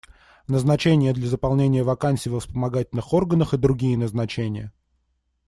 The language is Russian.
Назначение для заполнения вакансий во вспомогательных органах и другие назначения.